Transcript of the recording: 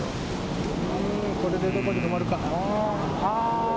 これで、どこで止まるか？